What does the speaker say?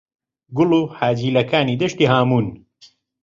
«گوڵ و حاجیلەکانی دەشتی هاموون»